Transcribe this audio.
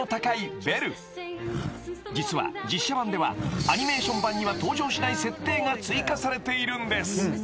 ［実は実写版ではアニメーション版には登場しない設定が追加されているんです］